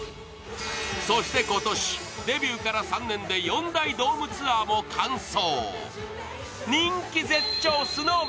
そして今年、デビューから３年で４大ドームツアーも完走。